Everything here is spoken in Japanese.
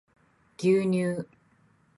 牛乳